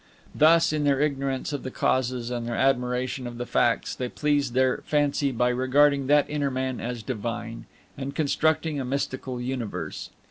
Thus, in their ignorance of the causes and their admiration of the facts, they pleased their fancy by regarding that inner man as divine, and constructing a mystical universe.